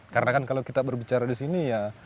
karena kalau kita berbicara di sini